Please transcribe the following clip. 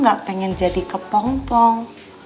gak pengen jadi kepong pong